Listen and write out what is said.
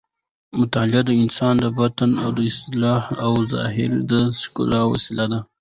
مطالعه د انسان د باطن د اصلاح او د ظاهر د ښکلا وسیله ده.